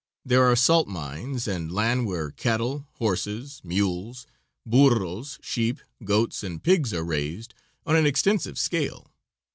There are salt mines and land where cattle, horses, mules, burros, sheep, goats and pigs are raised on an extensive scale.